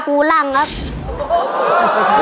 ครูรังครับ